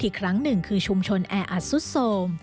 อีกครั้งหนึ่งคือชุมชนแออัดสุดโทรม